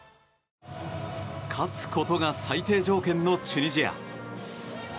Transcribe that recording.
勝つことが最低条件のチュニジア。